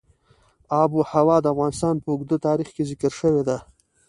آب وهوا د افغانستان په اوږده تاریخ کې ذکر شوې ده.